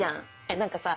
何かさ